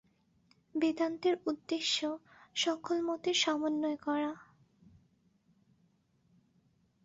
বেদান্তের উদ্দেশ্য সকল মতের সমন্বয় করা।